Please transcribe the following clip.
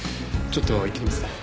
ちょっと行ってきます。